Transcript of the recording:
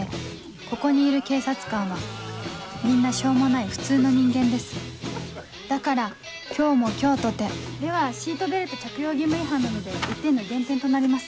ここにいる警察官はみんなしょうもない普通の人間ですだから今日も今日とてではシートベルト着用義務違反なので１点の減点となります。